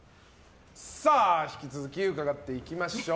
引き続き伺っていきましょう。